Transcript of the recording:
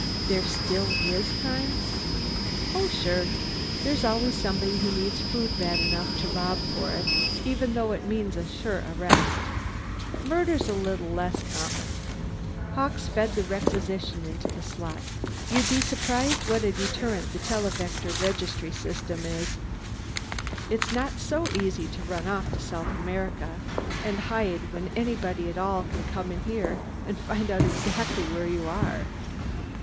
"There still is crime?" "Oh, sure. There's always somebody who needs food bad enough to rob for it, even though it means a sure arrest. Murder's a little less common." Hawkes fed the requisition slip into the slot. "You'd be surprised what a deterrent the televector registry system is. It's not so easy to run off to South America and hide when anybody at all can come in here and find out exactly where you are."